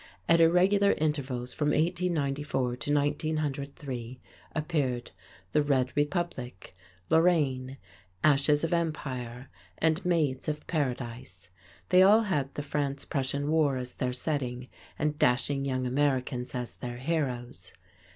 At irregular intervals from 1894 to 1903 appeared "The Red Republic," "Lorraine," "Ashes of Empire," and "Maids of Paradise." They all had the France Prussian War as their setting, and dashing young Americans as their heroes.